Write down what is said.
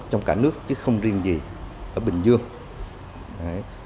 trong cả nước chứ không riêng gì ở bình dương